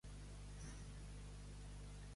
Allí on posava l'ull posava la bala.